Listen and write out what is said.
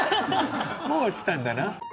もう来たんだな。